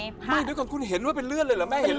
ไม่เดี๋ยวก่อนคุณเห็นว่าเป็นเลือดเลยเหรอแม่เห็นไหม